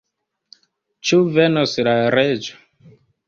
Ĉu venos la reĝo?